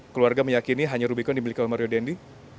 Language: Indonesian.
keluarga meyakini hanya rubicon dibeli oleh mario dendi